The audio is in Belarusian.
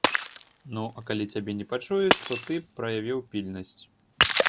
Ну, а калі цябе не пачуюць, то ты праявіў пільнасць.